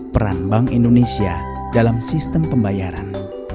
peran bank indonesia dalam sistem pembayaran